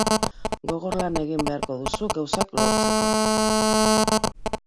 Gogor lan egin beharko duzu gauzak lortzeko.